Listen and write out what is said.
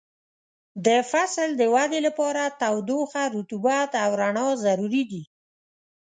د فصل د ودې لپاره تودوخه، رطوبت او رڼا ضروري دي.